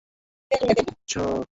হ্যাঁঁ আপনারা কাল আসছেন তো?